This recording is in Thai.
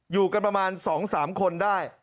อยู่กันประมาณ๒๓คนได้